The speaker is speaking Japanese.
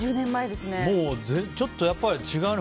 もうちょっとやっぱり違うね。